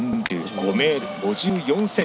５ｍ５４ｃｍ。